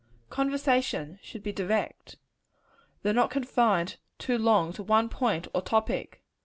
Conversation should be direct though not confined too long to one point or topic.